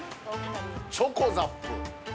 ◆チョコザップ。